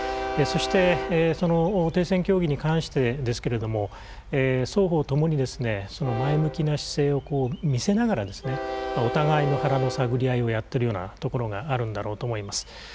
そしてその停戦協議に関してですけれども双方ともに前向きな姿勢を見せながらお互いの腹の探り合いをやってるようなところがあるんだろうと思います。